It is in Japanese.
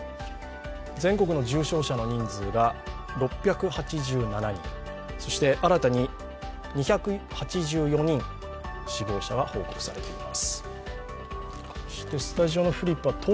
全国の重症者の人数が６８７人、そして新たに２８４人、死亡者が報告されています。